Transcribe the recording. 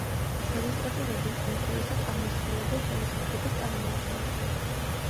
მაგისტრატები უმთავრესად აღმასრულებელ ხელისუფლებას წარმოადგენდნენ.